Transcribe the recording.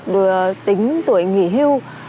được tính tuổi nghỉ hưu